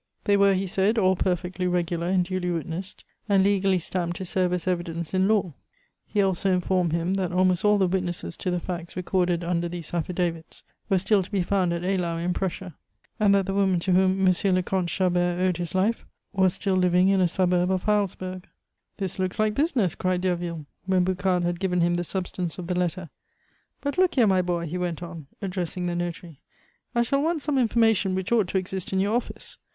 They were, he said, all perfectly regular and duly witnessed, and legally stamped to serve as evidence in law. He also informed him that almost all the witnesses to the facts recorded under these affidavits were still to be found at Eylau, in Prussia, and that the woman to whom M. le Comte Chabert owed his life was still living in a suburb of Heilsberg. "This looks like business," cried Derville, when Boucard had given him the substance of the letter. "But look here, my boy," he went on, addressing the notary, "I shall want some information which ought to exist in your office.